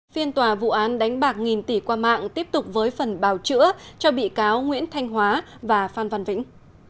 phiên tòa vụ án đánh bạc nghìn tỷ qua mạng tiếp tục với phần bào chữa cho bị cáo nguyễn thanh hóa và phan văn vĩnh